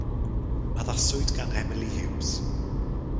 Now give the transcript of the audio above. Addaswyd gan Emily Huws.